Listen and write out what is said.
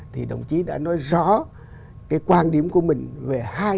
thì đồng chí đã nói rõ cái quan điểm của mình về hai